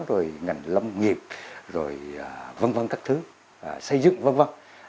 rồi ngành lâm nghiệp rồi vân vân các thứ xây dựng vân vân